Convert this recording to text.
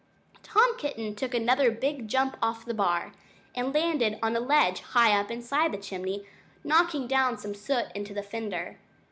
Tom Kitten took another big jump off the bar and landed on a ledge high up inside the chimney, knocking down some soot into the fender.